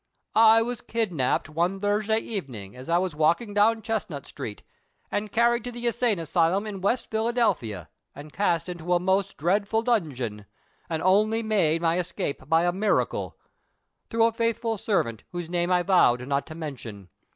" "I was kidnapped one Thursday evpnincr. ns I was walk ing dov.'u Chestnut street, and carried to the insane asylum 118 THE SOCIAL WAR OF 1900; OR, in West Philadelphia, and cast into a most dreadful dun* geon, and only made my escape by a miracle— through a faithful servant, Avhose name I vowed not to mention.